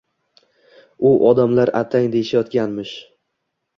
U odamlar attang deyishayotganmish…